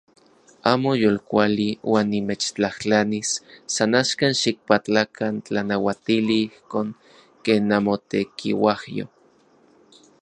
Amo yolkuali uan nimechtlajtlanis san axkan xikpatlakan tlanauatili ijkon ken namotekiuajyo.